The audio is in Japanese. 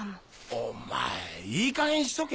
お前いいかげんにしとけ！